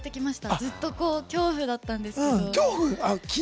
ずっと恐怖だったんですけど。